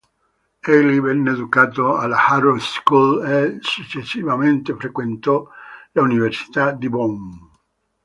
Egli venne educato alla Harrow School e successivamente frequentò l'Università di Bonn.